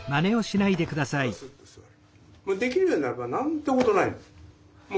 ただスッと座る。